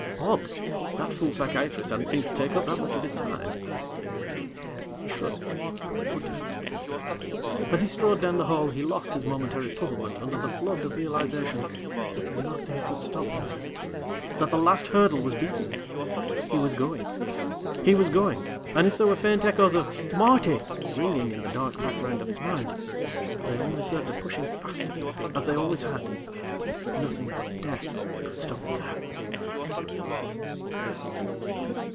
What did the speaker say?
Odd that fool psychiatrist hadn't seemed to take up that much of his time. He shrugged. What difference did it make? As he strode down the hall, he lost his momentary puzzlement under the flood of realization that nothing could stop him now, that the last hurdle was beaten. He was going. He was going, and if there were faint echoes of "Marty!" ringing in the dark background of his mind, they only served to push him faster, as they always had. Nothing but death could stop him now.